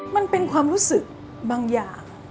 มันเป็นความรู้สึกบางอย่าง